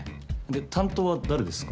で担当は誰ですか？